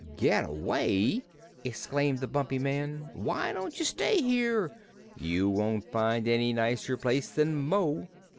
"Get away!" exclaimed the Bumpy Man. "Why don't you stay here? You won't find any nicer place than Mo."